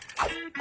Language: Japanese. あ！